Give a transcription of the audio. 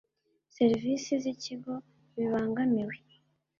serivisi z ikigo bibangamiwe